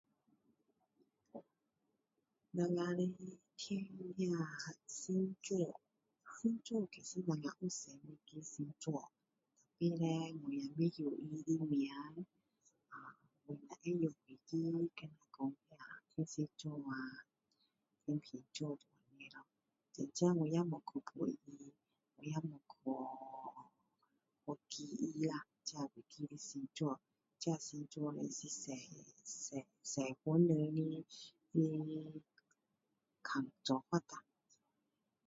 我们的天那星座星座其实我们有十二个星座但是叻我不知道他的名字啊我只知道几个像说天蝎座啊天枰座这样咯真正我也没有去了解他也没去记他这几个星座星座是西西西人的的看做法啦